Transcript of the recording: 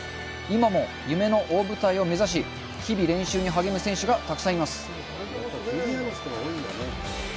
今も、夢の大舞台を目指し日々練習に励む選手がたくさんいます。